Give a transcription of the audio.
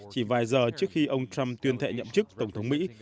chỉ vài giờ trước khi ông trump tuyên thệ nhậm chức tổng thống mỹ